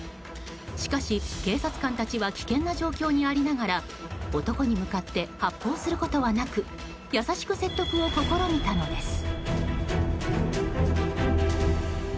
しかし警察官たちは危険な状況にありながら男に向かって発砲することはなく優しく説得を試みたのです。